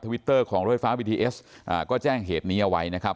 วิตเตอร์ของรถไฟฟ้าบีทีเอสอ่าก็แจ้งเหตุนี้เอาไว้นะครับ